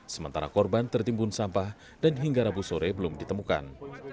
sementara korban tertimbun sampah dan hingga rabu sore belum ditemukan